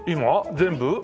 全部？